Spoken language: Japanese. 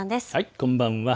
こんばんは。